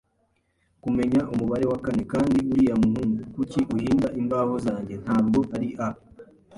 kumenya umubare wa kane, kandi uriya muhungu, kuki, uhinda imbaho zanjye, ntabwo ari a